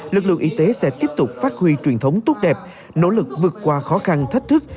lực lượng y tế sẽ tiếp tục phát huy truyền thống tốt đẹp nỗ lực vượt qua khó khăn thách thức